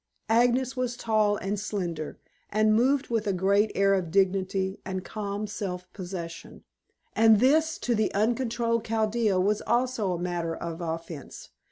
Agnes was tall and slender, and moved with a great air of dignity and calm self possession, and this to the uncontrolled Chaldea was also a matter of offence.